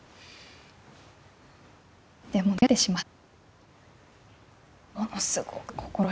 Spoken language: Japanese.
でも出会ってしまって。